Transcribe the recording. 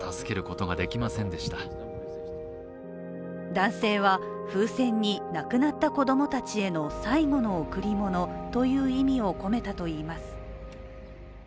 男性は、風船に亡くなった子供たちへの最後の贈り物という意味を込めたといいます。